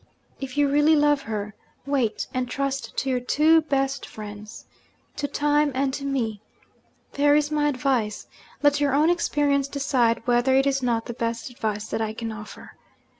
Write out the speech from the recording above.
If you really love her, wait; and trust to your two best friends to time and to me. There is my advice; let your own experience decide whether it is not the best advice that I can offer.